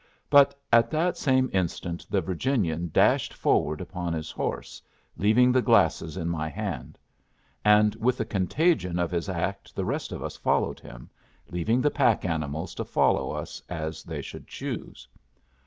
But at that same instant the Virginian dashed forward upon his horse, leaving the glasses in my hand. And with the contagion of his act the rest of us followed him, leaving the pack animals to follow us as they should choose.